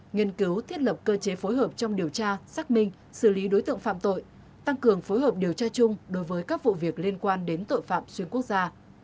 nghiên cứu thiết lập cơ chế phối hợp trong điều tra xác minh xử lý đối tượng phạm tội tăng cường phối hợp điều tra chung đối với các vụ việc liên quan đến tội phạm xuyên quốc gia